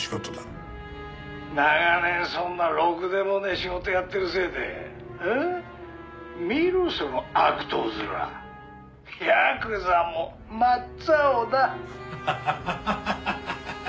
「長年そんなろくでもねえ仕事やってるせいで見ろその悪党面」「ヤクザも真っ青だ」ハハハハハハハ。